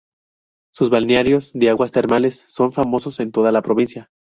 Sus balnearios de aguas termales son famosos en toda la provincia.